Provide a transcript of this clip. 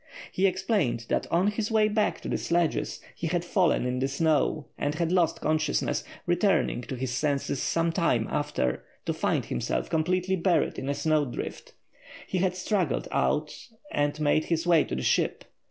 He explained that on his way back to the sledges he had fallen in the snow and had lost consciousness, returning to his senses some time after to find himself completely buried in a snow drift. He had struggled out and made his way to the ship.